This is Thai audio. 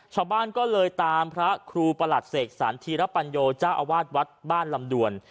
ชาวบ้านก็เลยตามพระครูประหลัดเสกสรรธีรปัญโยเจ้าอาวาสวัดบ้านลำดวน